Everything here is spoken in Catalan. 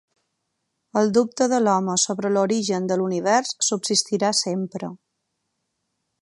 El dubte de l'home sobre l'origen de l'Univers subsistirà sempre.